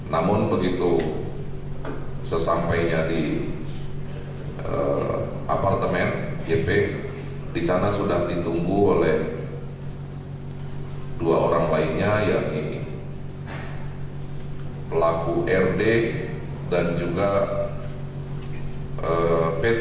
namun begitu sesampainya di apartemen jp di sana sudah ditunggu oleh dua orang lainnya yakni pelaku rd dan juga pt